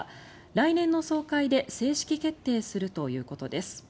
来年の総会で正式決定するということです。